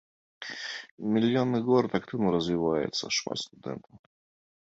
Мільённы горад, актыўна развіваецца, шмат студэнтаў.